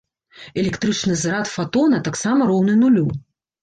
Электрычны зарад фатона таксама роўны нулю.